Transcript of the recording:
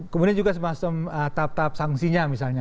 kemudian juga semacam tahap tahap sanksinya misalnya